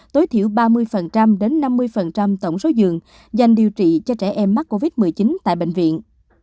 tối thiểu ba mươi đến năm mươi tổng số giường dành điều trị cho trẻ em mắc covid một mươi chín tại bệnh viện